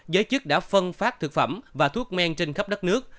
giới chức đã phân phát thực phẩm và thuốc men trên khắp đất nước